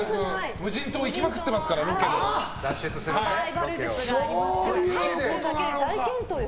無人島行きまくってますからロケで。